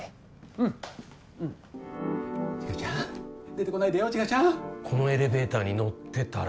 うんうん茅ヶちゃん出てこないでよ茅ヶちゃんこのエレベーターに乗ってたら？